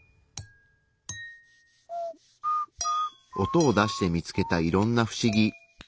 音を出して見つけたいろんなふしぎ。